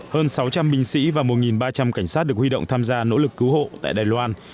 hơn sáu trăm linh binh sĩ và một ba trăm linh cảnh sát được huy động tham gia nỗ lực cứu hộ tại đài loan